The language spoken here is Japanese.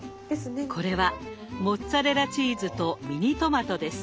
これはモッツァレラチーズとミニトマトです。